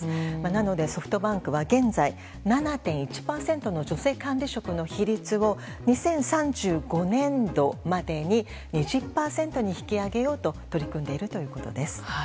なので、ソフトバンクは現在、７．１％の女性管理職の比率を２０３５年度までに２０％に引き上げようと取り組んでいるということです。